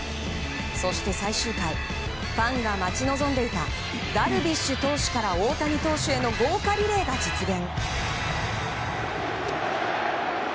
そして、最終回ファンが待ち望んでいたダルビッシュ投手から大谷選手への豪華リレーが実現。